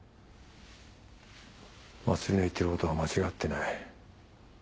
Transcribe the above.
茉莉の言っていることは間違ってない。